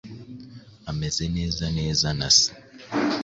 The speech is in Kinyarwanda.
Ameze neza neza na se.